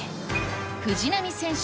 藤浪選手